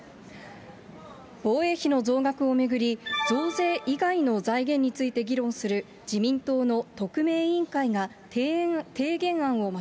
防衛費の増額を巡り、増税以外の財源について議論する自民党の特命委員会が提言案をま